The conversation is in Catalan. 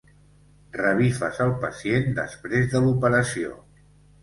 Revifes el pacient després de l'operació.